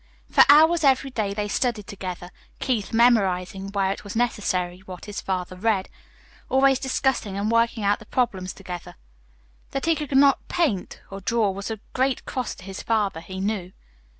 For hours every day they studied together, Keith memorizing, where it was necessary, what his father read, always discussing and working out the problems together. That he could not paint or draw was a great cross to his father, he knew.